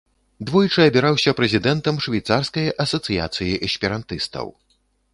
Двойчы абіраўся прэзідэнтам швейцарскай асацыяцыі эсперантыстаў.